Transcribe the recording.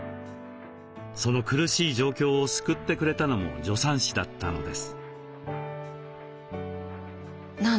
その苦しい状況を救ってくれたのも助産師だったのです。